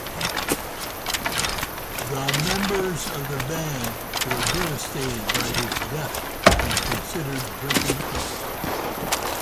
The members of the band were devastated by his death, and considered breaking up.